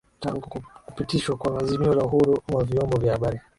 tangu kupitishwa kwa azimio la uhuru wa vyombo vya habari